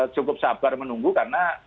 cukup sabar menunggu karena